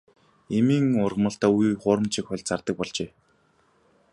Эмийн ургамалдаа үе үе хуурамчийг хольж зардаг болжээ.